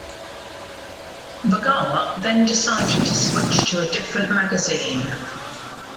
Ragawa then decided to switch to a different magazine.